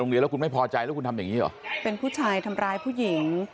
เรียนแล้วคุณไม่พอใจแล้วคุณทำอย่างงี้เหรอเป็นผู้ชายทำร้ายผู้หญิง